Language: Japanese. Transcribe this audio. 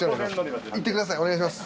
行ってくださいお願いします。